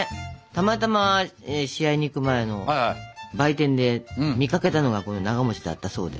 たまたま試合に行く前の売店で見かけたのがこのながだったそうで。